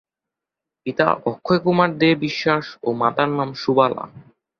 পিতা অক্ষয়কুমার দে বিশ্বাস ও মাতার নাম সুবালা।